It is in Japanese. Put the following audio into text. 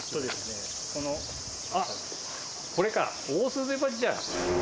これか、オオスズメバチじゃん。